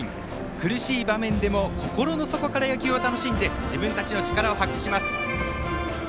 苦しい場面でも心の底から野球を楽しんで自分たちの力を発揮します。